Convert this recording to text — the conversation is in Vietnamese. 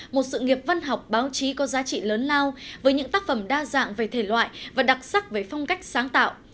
một sự nghiệp văn học báo chí có giá trị lớn lao với những tác phẩm đa dạng về thể loại và đặc sắc về phong cách sáng tạo